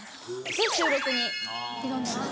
で収録に挑んでます。